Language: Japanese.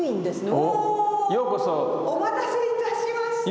お待たせいたしました。